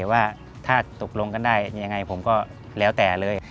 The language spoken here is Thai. ว่าถ้าตกลงกันได้ยังไงผมก็แล้วแต่เลย